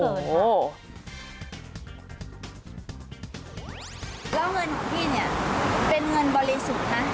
แล้วเงินของพี่เนี่ยเป็นเงินบริสุทธิ์นะ